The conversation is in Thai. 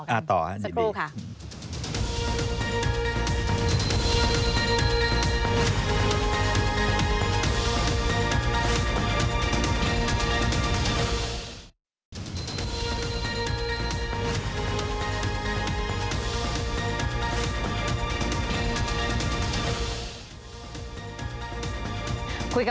อ่าต่อสักครู่ค่ะ